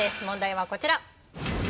問題はこちら。